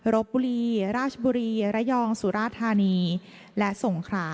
รบบุรีราชบุรีระยองสุราธานีและสงขรา